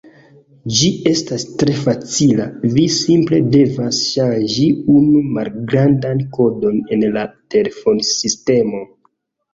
Ĝi estas tre facila: vi simple devas ŝanĝi unu malgrandan kodon en la telefonsistemo.